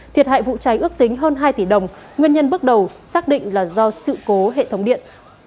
thiệt hại vụ cháy ước tính hơn hai tỷ đồng nguyên nhân bước đầu xác định là do sự cố hệ thống điện